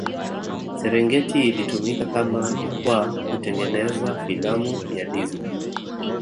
Serengeti ilitumika kama jukwaa kutengeneza filamu ya Disney